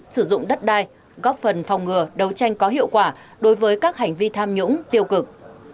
sử dụng đất đai góp phần phòng ngừa đấu tranh có hiệu quả đối với các hành vi tham nhũng tiêu cực